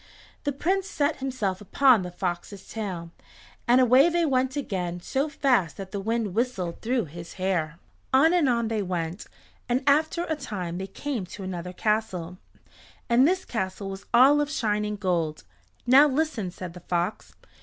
The Prince set himself upon the fox's tail, and away they went again so fast that the wind whistled through his hair. On and on they went, and after a time they came to another castle, and this castle was all of shining gold. "Now listen," said the fox.